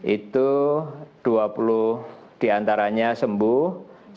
itu dua puluh di antaranya sembuh